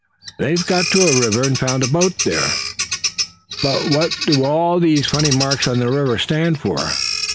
They've got to a river, and found a boat there. But what do all these funny marks on the river stand for?